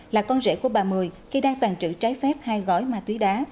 là con rể của bà mười khi đang tàn trữ trái phép hai gói ma túy đá